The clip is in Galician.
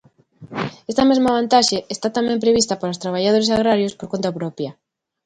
Esta mesma vantaxe está tamén prevista para os traballadores agrarios por conta propia.